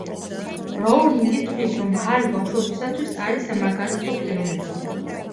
როულინგი თვლის, რომ ჰარი ბავშვებისათვის არის სამაგალითო პიროვნება.